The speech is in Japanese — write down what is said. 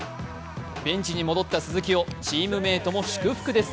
ベンチに戻った鈴木をチームメイトも祝福です。